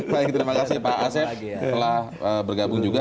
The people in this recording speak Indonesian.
baik terima kasih pak asep telah bergabung juga